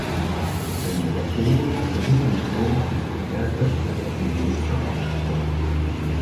Ein Moratorium für Hinrichtungen ist ein erster Schritt auf dem Weg zur Abschaffung.